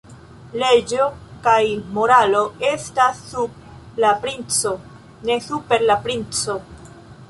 Leĝo kaj moralo estas sub la princo, ne super la princo.